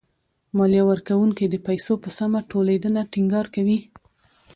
ماليه ورکوونکي د پيسو په سمه ټولېدنه ټېنګار کوي.